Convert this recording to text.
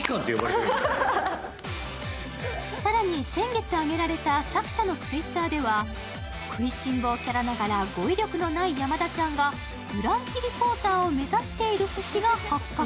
更に、先月上げられた作者のＴｗｉｔｔｅｒでは、食いしん坊キャラながら語彙力のない山田ちゃんがブランチリポーターを目指している節が発覚。